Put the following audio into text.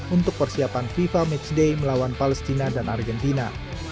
untuk persiapan fifa matchday melawan palestina dan argentina